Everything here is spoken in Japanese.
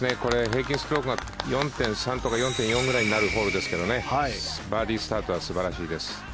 平均ストロークが４．３とか４．４ぐらいになるホールですけどバーディースタートは素晴らしいです。